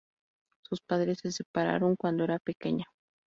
Sus padres se separaron cuando era pequeña.